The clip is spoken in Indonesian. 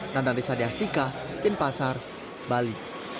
nandan risa d'astika bin pasar bali